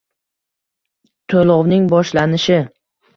To'lovning boshlanishi: